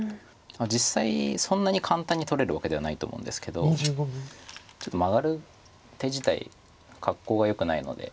実際そんなに簡単に取れるわけではないと思うんですけどちょっとマガる手自体格好がよくないので。